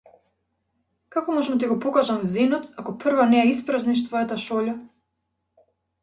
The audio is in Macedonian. Како можам да ти го покажам зенот ако прво не ја испразниш твојата шолја?